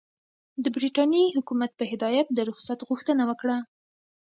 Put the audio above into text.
د برټانیې حکومت په هدایت د رخصت غوښتنه وکړه.